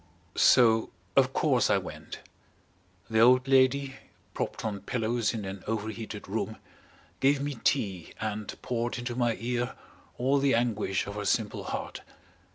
So of course I went. The old lady, propped on pillows in an overheated room, gave me tea and poured into my ear all the anguish of her simple heart.